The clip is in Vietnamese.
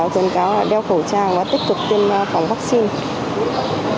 dân cáo là đeo khẩu trang và tích cực tiêm phòng vaccine